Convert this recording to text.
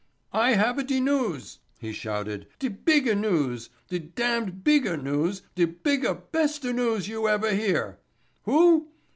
"I havea de news," he shouted, "de beega news—de damned beega news—de beega, besta news you ever hear—Who?